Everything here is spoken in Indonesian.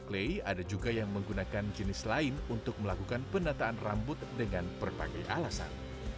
play ada juga yang menggunakan jenis lain untuk melakukan penataan rambut dengan berbagai alasan